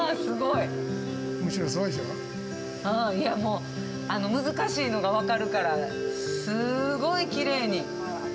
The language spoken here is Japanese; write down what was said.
いやもう難しいのが分かるからすごいきれいに。